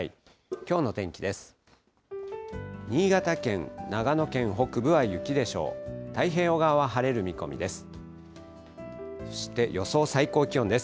きょうの天気です。